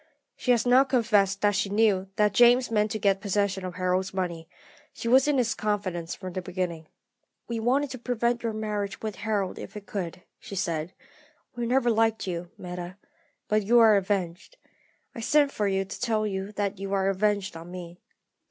She has now confessed that she knew that James meant to get possession of Harold's money; she was in his confidence from the beginning. "'We wanted to prevent your marriage with Harold if we could,' she said. 'We never liked you, Meta; but you are avenged. I sent for you to tell you that you are avenged on me.'